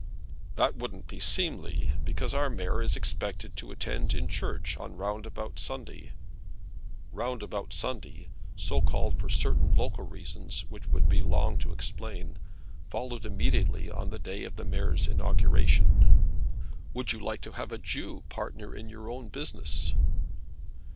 "That wouldn't be seemly, because our mayor is expected to attend in church on Roundabout Sunday." Roundabout Sunday, so called for certain local reasons which it would be long to explain, followed immediately on the day of the mayor's inauguration. "Would you like to have a Jew partner in your own business?"